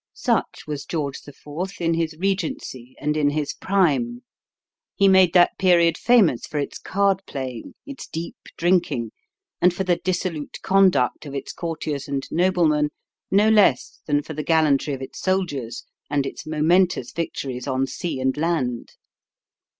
Such was George IV. in his regency and in his prime. He made that period famous for its card playing, its deep drinking, and for the dissolute conduct of its courtiers and noblemen no less than for the gallantry of its soldiers and its momentous victories on sea and land.